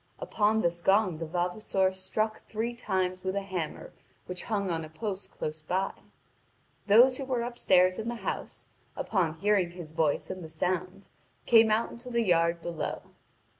Upon this gong the vavasor struck three times with a hammer which hung on a post close by. Those who were upstairs in the house, upon hearing his voice and the sound, came out into the yard below.